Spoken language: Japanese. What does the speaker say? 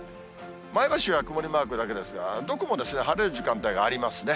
前橋は曇りマークだけですが、どこも晴れる時間帯がありますね。